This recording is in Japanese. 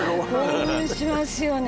「興奮しますよね